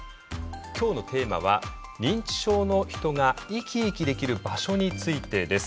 今日のテーマは認知症の人が「生き生きできる“場所”」についてです。